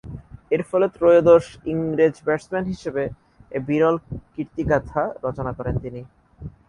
এরফলে ত্রয়োদশ ইংরেজ ব্যাটসম্যান হিসেবে এ বিরল কীর্তিগাঁথা রচনা করেন তিনি।